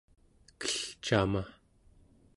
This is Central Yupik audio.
kelcama